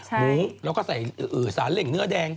หมูแล้วก็ใส่สารเหล่งเนื้อแดง